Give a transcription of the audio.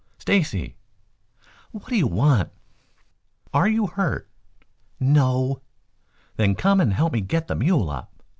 "Stacy!" "What do you want?" "Are you hurt?" "No." "Then come and help me get the mule up."